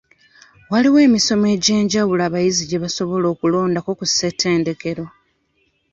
Waaliwo emisomo egy'enjawulo abayizi gye basobola okulondako ku Ssetendekero.